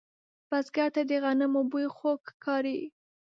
بزګر ته د غنمو بوی خوږ ښکاري